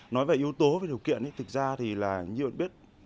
nói về yếu tố và điều kiện thì thực ra thì là như bạn biết